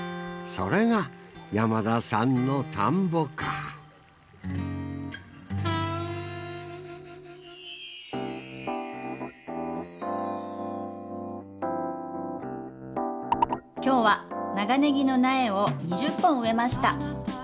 それが山田さんの田んぼか「きょうは長ネギの苗を２０本植えました！